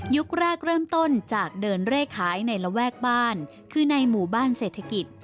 แรกเริ่มต้นจากเดินเร่ขายในระแวกบ้านคือในหมู่บ้านเศรษฐกิจ